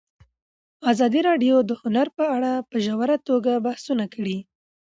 ازادي راډیو د هنر په اړه په ژوره توګه بحثونه کړي.